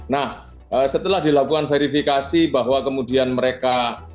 nah setelah dilakukan verifikasi bahwa kemudian mereka